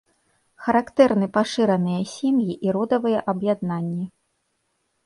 Характэрны пашыраныя сем'і і родавыя аб'яднанні.